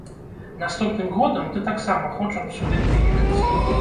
Наступным годам ты таксама хочам сюды прыехаць.